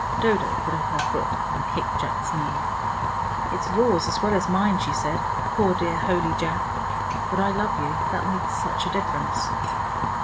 Dodo put up her foot, and kicked Jack's knee. "It's yours, as well as mine," she said. "Poor dear holy Jack. But I love you; that makes such a difference."